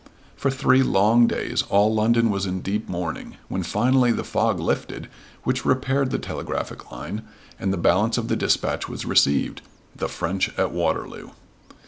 For three long days all London was in deep mourning, when finally the fog lifted, which repaired the telegraphic line, and the balance of the dispatch was received "the French at Waterloo."